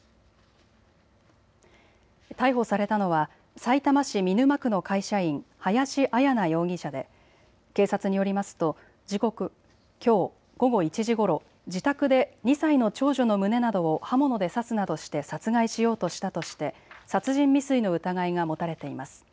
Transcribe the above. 逮捕されたのはさいたま市見沼区の会社員、林絢奈容疑者で警察によりますと時刻きょう午後１時ごろ自宅で２歳の長女の胸などを刃物で刺すなどして殺害しようとしたとして殺人未遂の疑いが持たれています。